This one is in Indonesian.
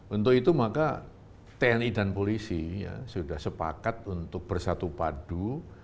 untuk itu maka tni dan polisi sudah sepakat untuk bersatu padu